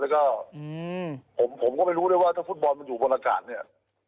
แล้วก็ผมก็ไม่รู้ด้วยว่าถ้าฟุตบอลมันอยู่บนอากาศเนี่ย